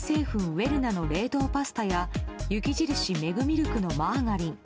ウェルナの冷凍パスタや雪印メグミルクのマーガリン。